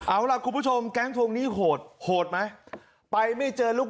เอาล่ะคุณผู้ชมแก๊งทวงหนี้โหดโหดไหมไปไม่เจอลูก